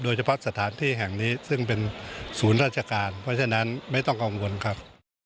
สถานที่แห่งนี้ซึ่งเป็นศูนย์ราชการเพราะฉะนั้นไม่ต้องกังวลครับ